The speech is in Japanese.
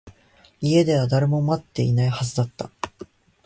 家では誰も待っていないはずだった